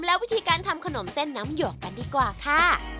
และวิธีการทำขนมเส้นน้ำหยกกันดีกว่าค่ะ